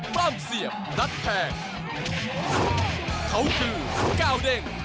เบ้ามเสียบดัดแพง